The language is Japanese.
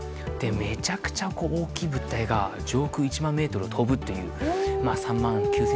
めちゃくちゃ大きい物体が上空１万ｍを飛ぶという。